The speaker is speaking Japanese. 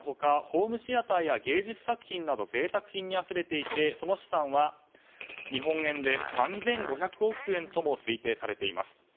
ホームシアターや芸術作品など贅沢品にあふれていてその資産は日本円で３５００億円とも推定されています。